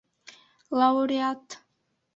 Лауреат!